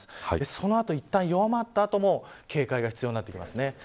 その後いったん弱まった後も警戒が必要です。